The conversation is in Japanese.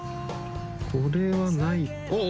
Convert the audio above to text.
これはないあっ！